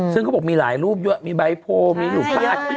ซึ่งเขาบอกมีหลายรูปเยอะมีใบโพสมีหลุขาด